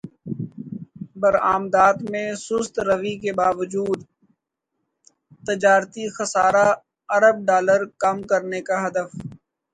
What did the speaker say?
برامدات میں سست روی کے باوجود تجارتی خسارہ ارب ڈالر کم کرنے کا ہدف